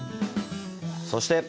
そして！